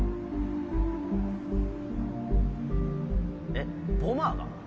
えっボマーが？